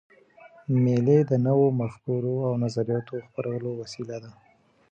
مېلې د نوو مفکورو او نظریاتو خپرولو وسیله ده.